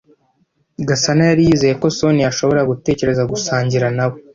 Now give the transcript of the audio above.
Gasana yari yizeye ko Soniya ashobora gutekereza gusangira nawe.